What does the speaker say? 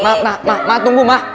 ma ma tunggu ma